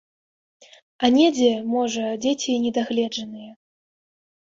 А недзе, можа, дзеці і не дагледжаныя.